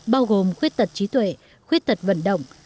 bao gồm khuyết tật trí tuệ khuyết tật vận động